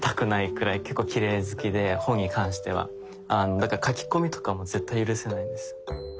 だから書き込みとかも絶対許せないんです。